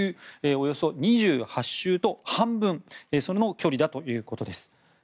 およそ２８周と半分そんな距離だということです。